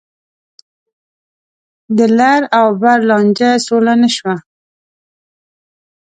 د لر او بر لانجه سوله نه شوه.